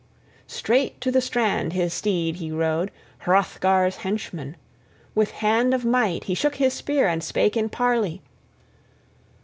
Straight to the strand his steed he rode, Hrothgar's henchman; with hand of might he shook his spear, and spake in parley.